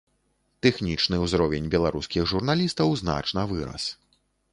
Тэхнічны ўзровень беларускіх журналістаў значна вырас.